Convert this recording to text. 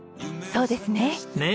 そうですね。